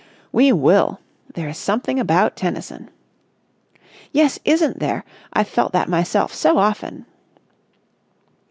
"We will! There is something about Tennyson...." "Yes, isn't there! I've felt that myself so often."